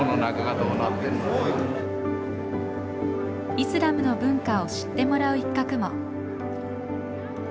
イスラムの文化を知ってもらう一角も。